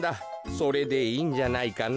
それでいいんじゃないかな？